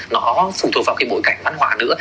nó phụ thuộc vào cái bối cảnh văn hóa nữa